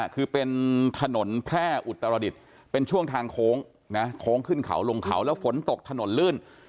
คือเป็นถนนแพร่อุตรดิษฐ์เป็นช่วงทางโค้งนะโค้งขึ้นเขาลงเขาแล้วฝนตกถนนลื่น